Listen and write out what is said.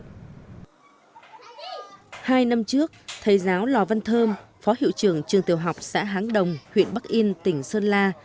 hai năm trước thầy giáo lò văn thơm phó hiệu trưởng trường tiểu học xã háng đồng huyện bắc yên tỉnh sơn la